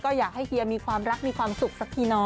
ก็อยากให้เฮียมีความรักมีความสุขสักทีเนาะ